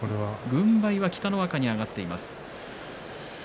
軍配は北の若に上がっています。